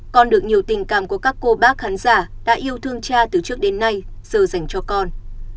con được nhiều tình cảm của các cô bác khán giả đã yêu thương cha từ trước đến nay giờ dành cho con